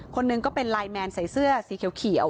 คนหนึ่งก็เป็นไลน์แมนใส่เสื้อสีเขียว